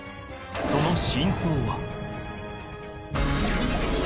その真相は？